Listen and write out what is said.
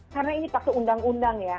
karena ini pakai undang undang ya